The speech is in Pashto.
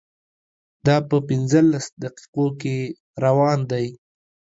دا په پنځلس دقیقو کې روان دی.